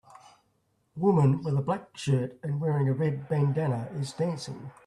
A woman with a black shirt and wearing a red bandanna is dancing.